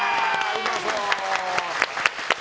うまそう。